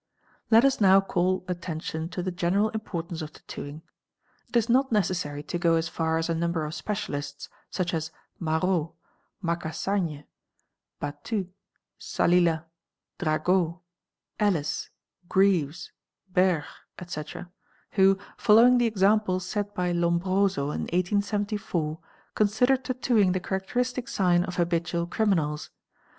Let us now call attention to the general importance of tattooing. It is not necessary to go as far as a number of specialists @!6 !) such as Marro, Macassagne, Batut, Salillas, Drago, Ellis, Greaves, Bergh, etc., who, following the example set by Lombroso in 1874, consider tattooing the characteristic sign of habitual criminals.